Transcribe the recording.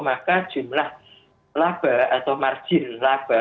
maka jumlah laba atau margin laba